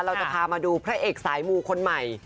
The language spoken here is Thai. เราจะพามาดูพระเอกสายมูคนใหม่